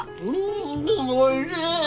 んおいしい！